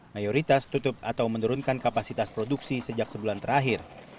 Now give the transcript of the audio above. mayoritas tutup atau menurunkan kapasitas produksi sejak sebulan terakhir